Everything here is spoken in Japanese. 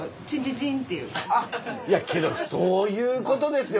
いやけどそういうことですよ。